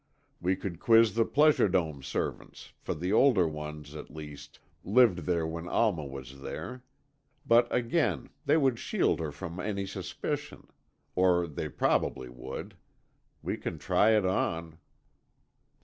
We could quiz the Pleasure Dome servants, for the older ones, at least, lived there when Alma was there. But again, they would shield her from any suspicion. Or they probably would. We can try it on."